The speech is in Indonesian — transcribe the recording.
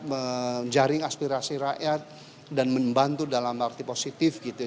menjaring aspirasi rakyat dan membantu dalam arti positif gitu